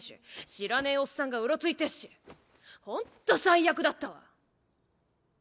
知らねぇおっさんがうろついてっしほんっと最悪だったわ。